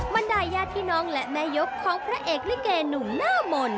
บรรดายญาติพี่น้องและแม่ยกของพระเอกลิเกหนุ่มหน้ามนต์